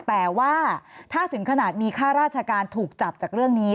แต่ว่าถ้าถึงขนาดมีค่าราชการถูกจับจากเรื่องนี้